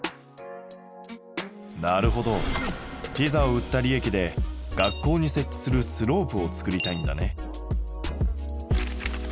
なるほどピザを売った利益で学校に設置するスロープを作りたいんだね。